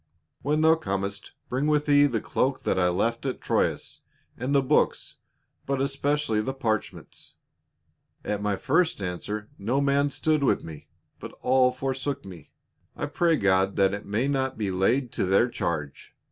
"When thou Comest, bring with thee the cloak that I left at Troas, and the books, but especially the parch ments. "At my first answer no man stood with me, but all forsook me. I pray God that it may not be laid to <iheir charge.